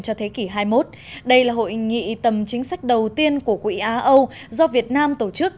cho thế kỷ hai mươi một đây là hội nghị tầm chính sách đầu tiên của quỹ á âu do việt nam tổ chức